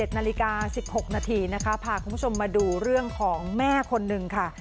๗นาฬิกา๑๖นาทีนะคะพาคุณผู้ชมมาดูเรื่องของแม่คนหนึ่งค่ะ